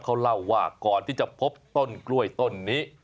เขาเล่าว่าก่อนที่จะพบต้นกล้วยต้นนี้